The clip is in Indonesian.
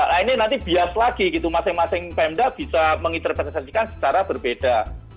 nah ini nanti bias lagi gitu masing masing pemda bisa menginterpretasikan secara berbeda